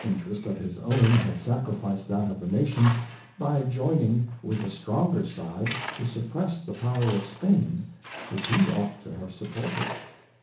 89 Interest of his own had sacrificed that of the Nation, by joining * with the stronger side^ to suppress the Power of Spain, which he ought to have supported.